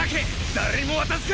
誰にも渡すか！